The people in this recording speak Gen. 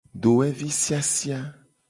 Dowevi siasia.